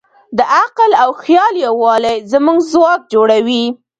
د عقل او خیال یووالی زموږ ځواک جوړوي.